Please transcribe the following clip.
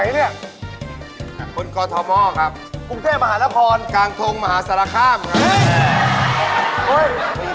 พี่เบทโมงยังนั่งเศร้าอยู่เลย